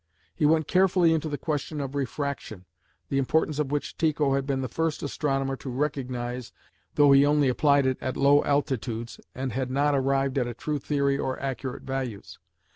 He went carefully into the question of refraction, the importance of which Tycho had been the first astronomer to recognise, though he only applied it at low altitudes, and had not arrived at a true theory or accurate values.